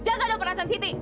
jangan ada perasaan siti